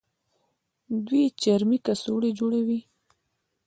دوی چرمي کڅوړې جوړوي.